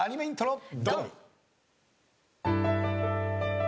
ドン！